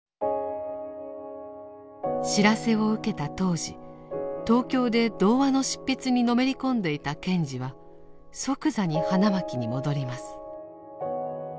知らせを受けた当時東京で童話の執筆にのめり込んでいた賢治は即座に花巻に戻ります。